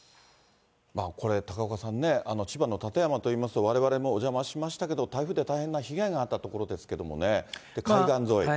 これ、高岡さんね、千葉の館山といいますと、われわれもお邪魔しましたけれども、台風で大変な被害があった所ですけれどもね、海岸沿い。